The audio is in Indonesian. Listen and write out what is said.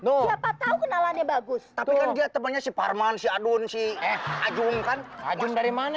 no apa tahu kenalannya bagus tapi dia temannya si parman si adun sih ajumkan ajum dari mana